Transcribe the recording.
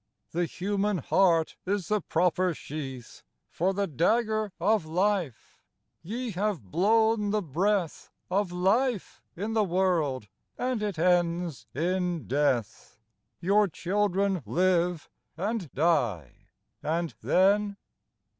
The human heart is the proper sheath For the dagger of life ; ye have blown the breath Of life in the world and it ends in death ; Your children live and die, and then